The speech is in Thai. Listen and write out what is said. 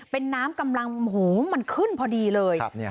เป็นน้ำกำลังหูมันขึ้นพอดีเลย